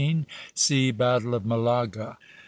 SEA BATTLE OF MALAGA.